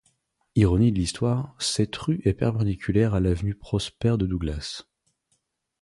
Ironie de l'Histoire, cette rue est perpendiculaire à l’avenue Prosper-de-Douglas.